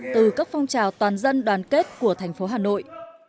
từ các phong trào toàn dân đoàn kết của thành phố hà nội